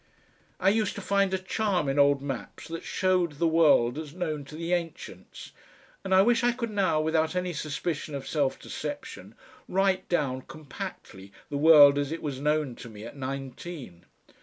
I used to find a charm in old maps that showed The World as Known to the Ancients, and I wish I could now without any suspicion of self deception write down compactly the world as it was known to me at nineteen.